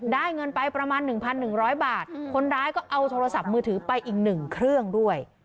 ได้เงินไปประมาณหนึ่งพันหนึ่งร้อยบาทคนร้ายก็เอาโทรศัพท์มือถือไปอีกหนึ่งเครื่องด้วย